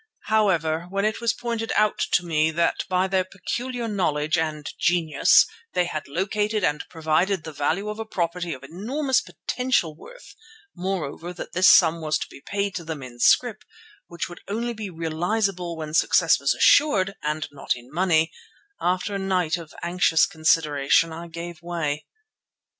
However, when it was pointed out to me that by their peculiar knowledge and genius they had located and proved the value of a property of enormous potential worth, moreover that this sum was to be paid to them in scrip which would only be realizable when success was assured and not in money, after a night of anxious consideration I gave way.